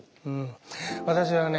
私はね